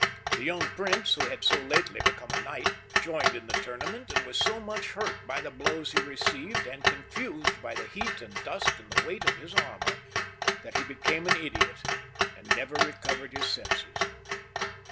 The young prince, who had so lately become a knight, joined in the tournament, and was so much hurt by the blows he received, and confused by the heat and dust and the weight of his armour, that he be came an idiot, and never recovered his senses.